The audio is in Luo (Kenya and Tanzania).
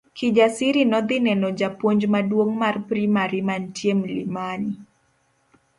Kijasiri nodhi neno japuonj maduong' mar primari mantie Mlimani.